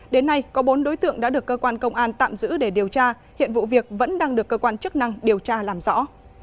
đến nay có bốn đối tượng đã được cơ quan công an tạm giữ để điều tra hiện vụ việc vẫn đang được cơ quan chức năng điều tra làm rõ